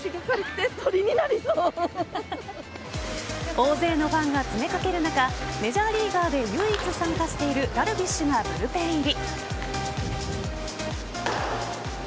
大勢のファンが詰めかける中メジャーリーガーで唯一参加しているダルビッシュがブルペン入り。